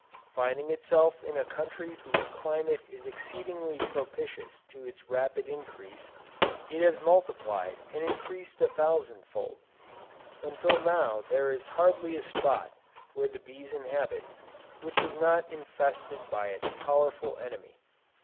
Finding itself in a country whose climate is exceedingly propitious to its rapid increase, it has multiplied and increased a thousand fold, until now there is hardly a spot where the bees inhabit, which is not infested by its powerful enemy.